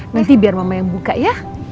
nanti biar mama yang buka ya